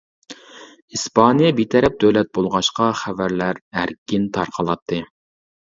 ئىسپانىيە بىتەرەپ دۆلەت بولغاچقا خەۋەرلەر ئەركىن تارقىلاتتى.